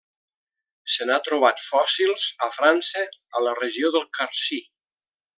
Se n'han trobat fòssils a França, a la regió del Carcí.